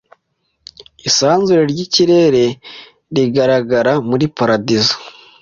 Isanzure ry'ikirere rigaragara muri paradizo